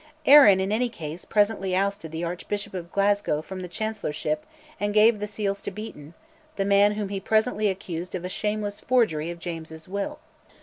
Arran, in any case, presently ousted the Archbishop of Glasgow from the Chancellorship and gave the seals to Beaton the man whom he presently accused of a shameless forgery of James's will.